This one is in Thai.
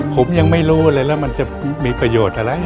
ผมยังไม่รู้อันมันจะมีประโยชน์อะไร